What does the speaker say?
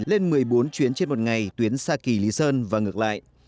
lên một mươi bốn chuyến trên một ngày tuyến xa kỳ lý sơn và ngược lại